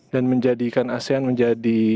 dan menjadikan asean menjadi